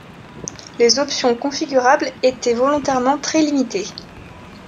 Les options configurables étaient volontairement très limitées.